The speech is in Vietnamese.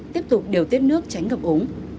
tiếp tục điều tiết nước tránh ngập ống